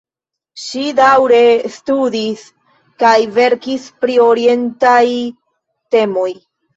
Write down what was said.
Ŝi daŭre studis kaj verkis pri orientaj temoj.